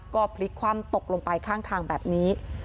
ก็พลิกคว่ำตกลงไปข้างทางแบบนี้